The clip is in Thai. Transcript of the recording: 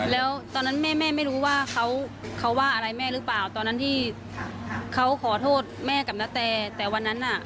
แล้วตอนนั้นแม่แม่ไม่รู้ว่าเขาว่าอะไรแม่หรือเปล่าตอนนั้นที่เขาขอโทษแม่กับณแต่วันนั้นน่ะ